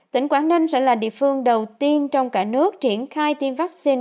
tỉnh quảng ninh sẽ là địa phương đầu tiên trong cả nước triển khai tiêm vaccine